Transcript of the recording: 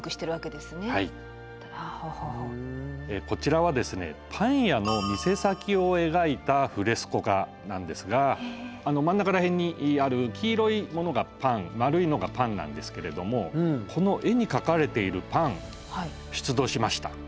こちらはですねパン屋の店先を描いたフレスコ画なんですが真ん中ら辺にある黄色いものがパン丸いのがパンなんですけれどもこの絵に描かれているパン出土しました。